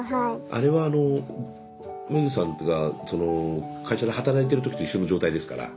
あれはあのｍｅｇｕさんがその会社で働いてる時と一緒の状態ですから。